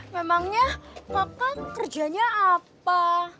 memangnya kakak kerjanya apa